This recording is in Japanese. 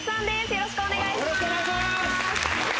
よろしくお願いします。